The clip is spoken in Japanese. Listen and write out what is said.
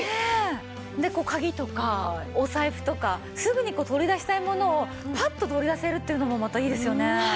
でこう鍵とかお財布とかすぐに取り出したいものをパッと取り出せるっていうのもまたいいですよね。